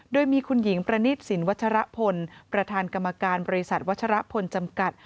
โดยมีคุณหญิงประนิษฐ์สินวัชรพลประธานกรรมการบริษัทวัชรพลจำกัด